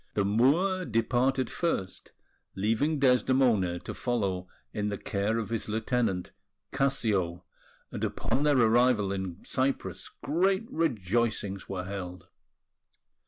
The Moor departed first, leaving Desdemona to follow in the care of his lieutenant, Cassio; and upon their arrival in Cyprus great rejoicings were held.